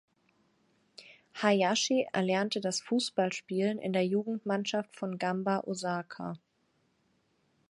Hayashi erlernte das Fußballspielen in der Jugendmannschaft von Gamba Osaka.